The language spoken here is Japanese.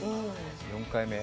４回目。